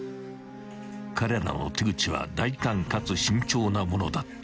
［彼らの手口は大胆かつ慎重なものだった］